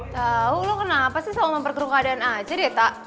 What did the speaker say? tau lo kenapa sih selalu memperkeruk keadaan aja dita